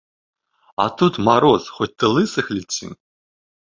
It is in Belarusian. А тут мароз, хоць ты лысых лічы!